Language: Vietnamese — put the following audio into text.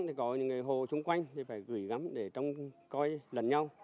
thì có những người hồ xung quanh thì phải gửi gắm để coi lần nhau